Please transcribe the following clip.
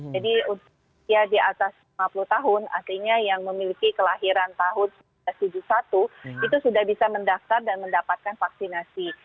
jadi usia di atas lima puluh tahun artinya yang memiliki kelahiran tahun seribu sembilan ratus tujuh puluh satu itu sudah bisa mendaftar dan mendapatkan vaksinasi